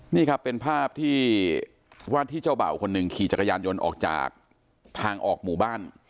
นี่ครับเป็นภาพที่ว่าที่เจ้าเบ่าคนหนึ่งขี่จักรยานยนต์ออกจากทางออกหมู่บ้าน